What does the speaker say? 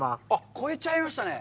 超えちゃいましたね。